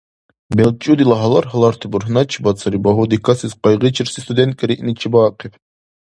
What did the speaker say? БелчӀудила гьалар-гьаларти бурхӀначибад сари багьуди касес къайгъичерси студентка риъни чебаахъиб.